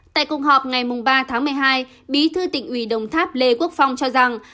tại cuộc họp ngày ba tháng một mươi hai bí thư tỉnh ủy đồng tháp lê quốc phong cho rằng